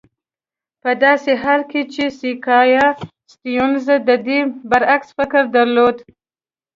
په داسې حال کې چې سیاکا سټیونز د دې برعکس فکر درلود.